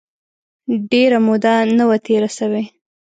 ډېره موده نه وه تېره سوې.